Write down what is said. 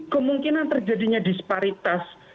kemungkinan terjadinya disparitas